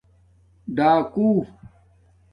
ڈاکُو